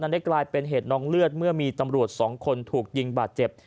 ได้กลายเป็นเหตุน้องเลือดเมื่อมีตำรวจสองคนถูกยิงบาดเจ็บ